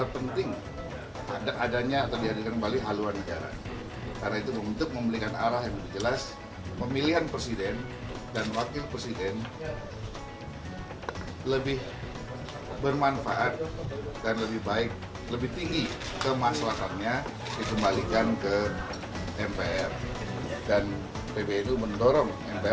pemilihan presiden dan wakil presiden